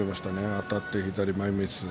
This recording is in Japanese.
あたって前みつ。